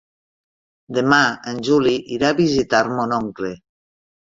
Demà en Juli irà a visitar mon oncle.